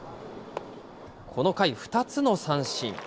この回、２つの三振。